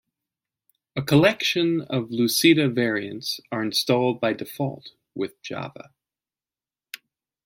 A collection of Lucida variants are installed by default with Java.